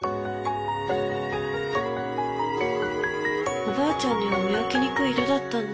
おばあちゃんには見分けにくい色だったんだ。